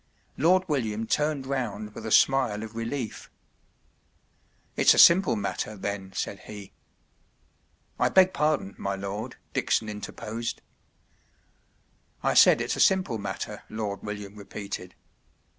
Lord William turned round with a smile of relief. “ It’s a simple matter, then,” said he. “ I beg pardon, my lord ” Dickson interposed. “ I said it’s a simple matter,” Lord William repeated.